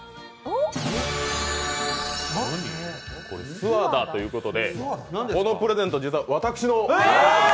ＳＵＷＡＤＡということで、このプレゼント、実は私の。